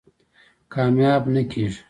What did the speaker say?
کامیاب نه کېږي.